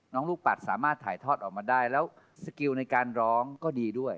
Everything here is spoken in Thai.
ลูกปัดสามารถถ่ายทอดออกมาได้แล้วสกิลในการร้องก็ดีด้วย